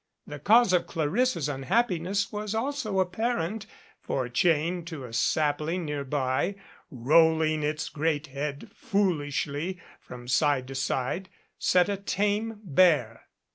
The cause of Clarissa's unhappiness was also apparent ; for chained to a sapling nearby, rolling its great head foolishly from side to side, sat a tame bear.